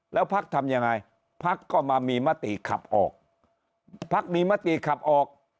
แล้วพักทำยังไงพักก็มามีมติขับออกพักมีมติขับออก